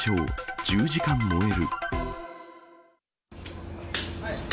１０時間燃える。